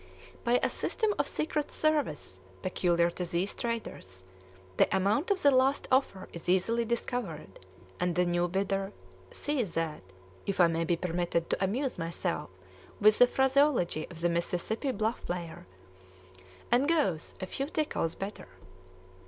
By a system of secret service peculiar to these traders, the amount of the last offer is easily discovered, and the new bidder "sees that" (if I may be permitted to amuse myself with the phraseology of the Mississippi bluff player) and "goes" a few ticals "better."